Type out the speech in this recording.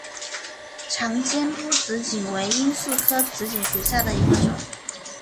长尖突紫堇为罂粟科紫堇属下的一个种。